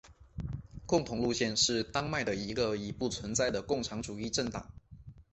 共同路线是丹麦的一个已不存在的共产主义政党。